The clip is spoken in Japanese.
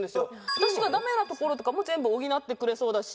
私がダメなところとかも全部補ってくれそうだし。